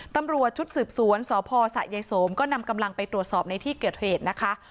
ตำรวจชุดสืบสวนสพสะยายโสมก็นำกำลังไปตรวจสอบในที่เกิดเหตุนะคะ